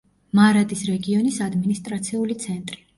მარადის რეგიონის ადმინისტრაციული ცენტრი.